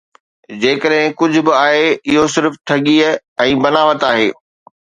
جيڪڏهن ڪجهه به آهي، اهو صرف ٺڳيءَ ۽ بناوٽ آهي